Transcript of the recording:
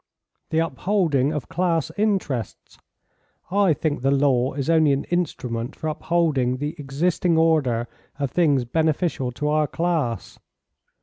"The upholding of class interests! I think the law is only an instrument for upholding the existing order of things beneficial to our class."